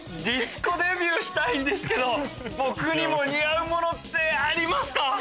ディスコデビューしたいんですけど僕にも似合うものってありますか？